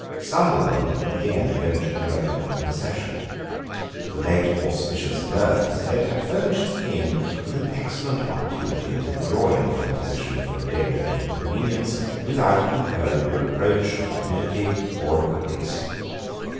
Sunderland again ventured to recommend concession. The late auspicious birth, he said, had furnished the King with an excellent opportunity of withdrawing from a position full of danger and inconvenience without incurring the reproach of timidity or of caprice.